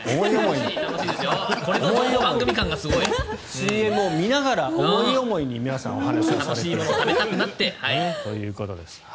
ＣＭを見ながら思い思いに皆さんお話しされていると。